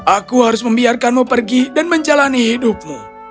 aku harus membiarkanmu pergi dan menjalani hidupmu